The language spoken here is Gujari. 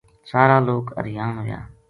سارا لوک حریان ہویا